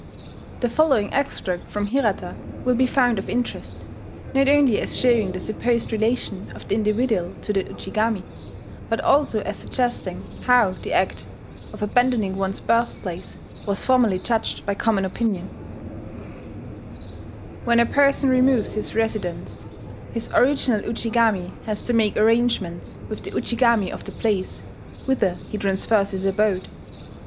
The following extract from Hirata will be found of interest, not only as showing the supposed relation of the individual to the Ujigami, but also as suggesting how the act of abandoning one's birthplace was formerly judged by common opinion: "When a person removes his residence, his original Ujigami has to make arrangements with the Ujigami of the place whither he transfers his abode.